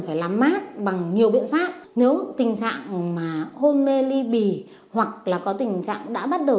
phải làm mát bằng nhiều biện pháp nếu tình trạng mà hôn mê ly bì hoặc là có tình trạng đã bắt đầu